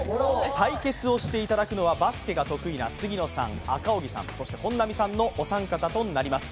対決をしていただくのはバスケが得意な杉野さん、赤荻さん、そして本並さんのお三方となります。